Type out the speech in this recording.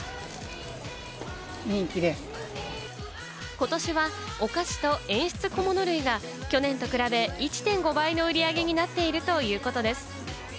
ことしはお菓子と演出小物類が去年と比べ、１．５倍の売り上げになっているということです。